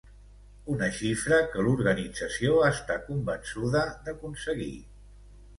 Una xifra que l’organització està convençuda d’aconseguir.